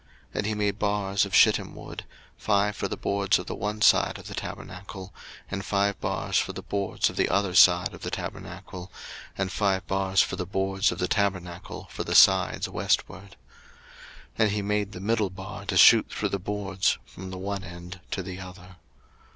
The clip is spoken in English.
02:036:031 And he made bars of shittim wood; five for the boards of the one side of the tabernacle, 02:036:032 And five bars for the boards of the other side of the tabernacle, and five bars for the boards of the tabernacle for the sides westward. 02:036:033 And he made the middle bar to shoot through the boards from the one end to the other.